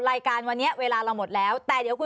รายการวันนี้เวลาเราหมดแล้ว